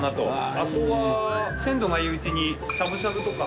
あとは鮮度がいいうちにしゃぶしゃぶとか。